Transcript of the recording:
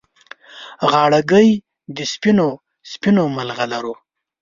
غاړګۍ د سپینو، سپینو مرغلرو